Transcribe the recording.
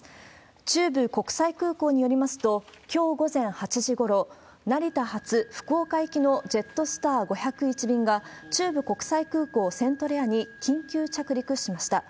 中部国際空港によりますと、きょう午前８時ごろ、成田発福岡行きのジェットスター５０１便が、中部国際空港セントレアに緊急着陸しました。